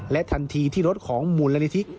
และทันทีที่รถของมูลนาฬิทิก